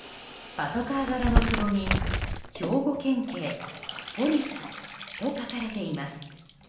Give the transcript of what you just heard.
パトカー柄のつぼに兵庫県警、ＰＯＬＩＣＥと書かれています。